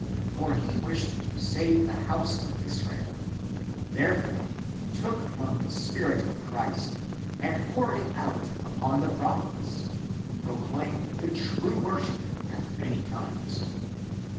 10. For he wished to save the house of Israel; therefore he took from the spirit of Christ and poured it out upon the prophets, who proclaimed the true worship i" at many times.